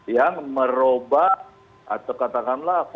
yang merobat atau katakanlah